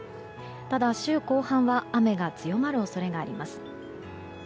ただ、週後半は雨が強まる恐れがあります。